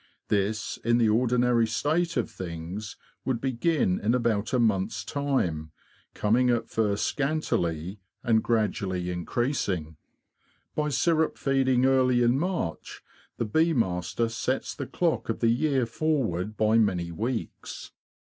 This, in the ordinary state of things, would begin in about a month's time, coming at first scantily, and gradually increasing. By syrup feeding early in March, the 124 THE BEE MASTER OF WARRILOW bee master sets the clock of the year forward by many weeks.